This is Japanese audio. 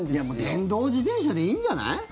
もう電動自転車でいいんじゃない？